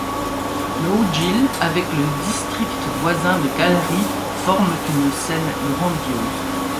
Lough Gill, avec le district voisin de Calry, forment une scène grandiose.